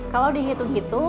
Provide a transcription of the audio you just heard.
kalau dihitung itu